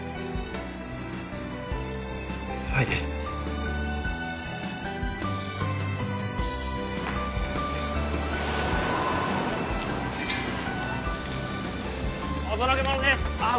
はいお届けものですああ